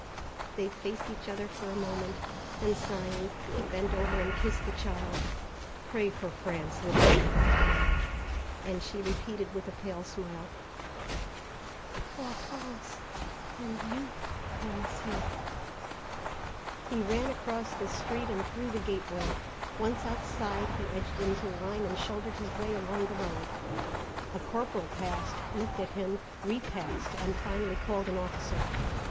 They faced each other for a moment. Then sighing, he bent over and kissed the child. "Pray for France, little one," he murmured, and she repeated with a pale smile: "For France and you, beau Monsieur." He ran across the street and through the gateway. Once outside, he edged into line and shouldered his way along the road. A corporal passed, looked at him, repassed, and finally called an officer.